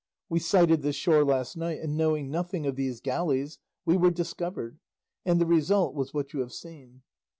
We sighted this shore last night, and knowing nothing of these galleys, we were discovered, and the result was what you have seen.